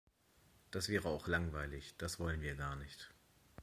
Das wäre auch langweilig, das wollen wir gar nicht.